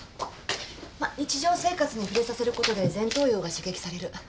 まっ日常生活に触れさせることで前頭葉が刺激される。